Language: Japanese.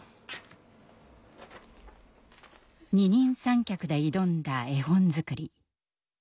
二人三脚で挑んだ絵本作り。